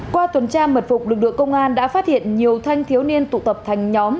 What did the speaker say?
qua tuần tra mật phục lực lượng công an đã phát hiện nhiều thanh thiếu niên tụ tập thành nhóm